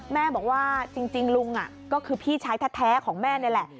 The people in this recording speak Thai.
แม่บอกว่าจริงลุงก็คือพี่ชายแท้ของแม่นี่แหละ